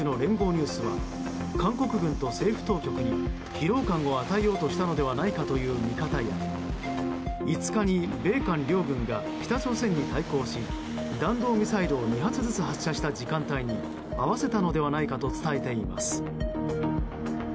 ニュースは韓国軍と政府当局に疲労感を与えようとしたのではないかという見方や５日に、米韓両軍が北朝鮮に対抗し弾道ミサイルを２発ずつ発射した時間帯に合わせたのではないかと伝えています。